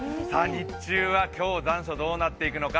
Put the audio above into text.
日中は今日、残暑、どうなっていくのか。